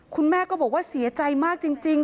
คุณแม่ก็บอกว่าเสียใจมากจริง